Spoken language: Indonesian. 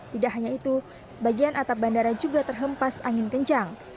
tidak hanya itu sebagian atap bandara juga terhempas angin kencang